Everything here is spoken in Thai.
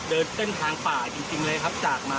เดินเส้นทางป่าจริงเลยครับจากมา